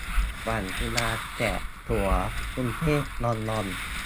ฝั่งจุฬาแจกตั๋วกรุงเทพ-ลอนดอน